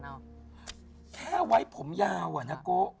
แค่ไว้ผมยาวอะนะโก